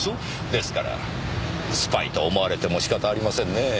ですからスパイと思われても仕方ありませんねぇ。